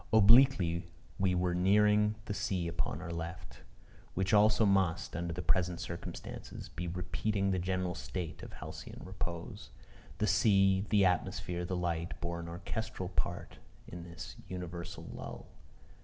Obliquely we were nearing the sea upon our left, which also must, under the present circumstances, be repeating the general state of halcyon repose. The sea, the atmosphere, the light, bore an orchestral part in this universal lull.